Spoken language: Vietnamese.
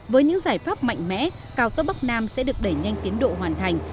với những giải pháp mạnh mẽ cao tốc bắc nam sẽ được đẩy nhanh tiến độ hoàn thành